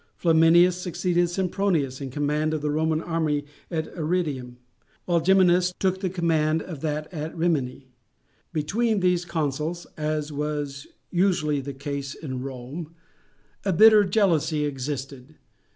Flaminius succeeded Sempronius in command of the Roman army at Arretium, while Geminus took the command of that at Rimini. Between these consuls, as was usually the case in Rome, a bitter jealousy existed.